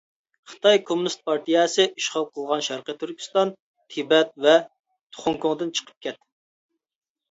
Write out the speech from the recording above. خىتاي كوممۇنىست پارتىيەسى ئىشغال قىلغان شەرقىي تۈركىستان، تىبەت ۋە خوڭكوڭدىن چىقىپ كەت!